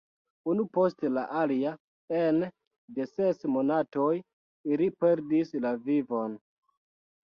Unu post la alia, ene de ses monatoj, ili perdis la vivon.